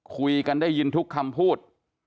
คุยกันได้ยินทุกคำพูด